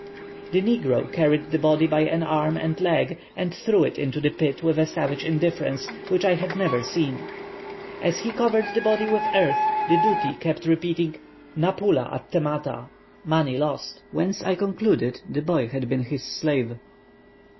The negro carried the body by an arm and leg, and threw it into the pit with a savage indifference such as I had never seen. As he covered the body with earth, the Dooty kept repeating naphula attemata (money lost), whence I concluded the boy had been his slave."